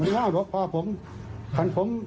อะล่ะพ่อผม